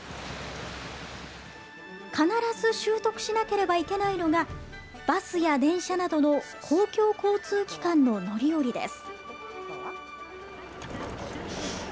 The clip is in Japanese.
必ず習得しなければいけないのがバスや電車などの公共交通機関の乗り降りです。